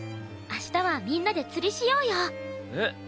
明日はみんなで釣りしようよ。えっ？